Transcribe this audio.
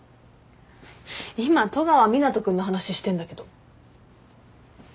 今戸川湊斗君の話してんだけど。